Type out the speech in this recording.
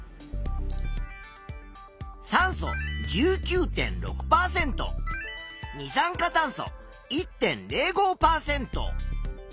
酸素１９．６％二酸化炭素１．０５％。